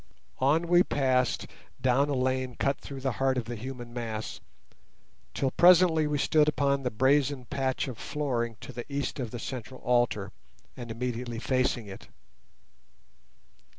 On we passed down a lane cut through the heart of the human mass, till presently we stood upon the brazen patch of flooring to the east of the central altar, and immediately facing it.